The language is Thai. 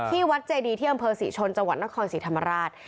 ที่วัดเจดีเที่ยมบศิชนจนศิษฐรรมาราช